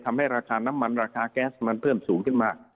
ทำให้ราคาน้ำมันราคาแก๊สมันเพิ่มสูงขึ้นมา